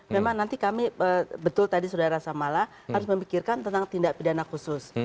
memang nanti kami betul tadi saudara samala harus memikirkan tentang tindak pidana khusus